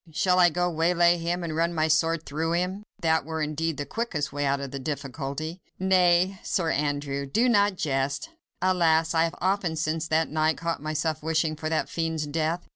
Shall I go waylay him and run my sword through him? That were indeed the quickest way out of the difficulty." "Nay! Sir Andrew, do not jest! Alas! I have often since last night caught myself wishing for that fiend's death.